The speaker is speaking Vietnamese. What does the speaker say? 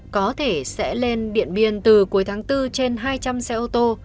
có thể sẽ lên điện biên từ cuối tháng bốn trên hai trăm linh xe ô tô